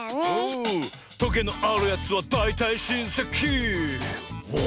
「トゲのあるやつはだいたいしんせきおお」